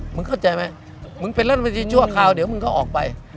เข้าใจไหมมึงเป็นรัฐมนตรีชั่วคราวเดี๋ยวมึงก็ออกไป